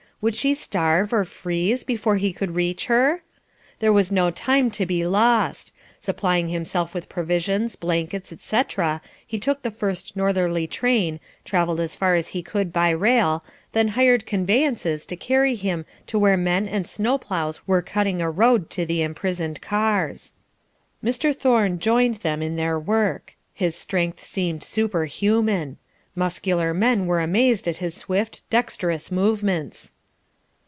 Would she starve or freeze before he could reach her? There was no time to be lost. Supplying himself with provisions, blankets, etc., he took the first northerly train, travelled as far as he could by rail, then hired conveyances to carry him to where men and snow ploughs were cutting a road to the imprisoned cars. Mr. Thorne joined them in their work. His strength seemed superhuman. Muscular men were amazed at his swift, dexterous movements.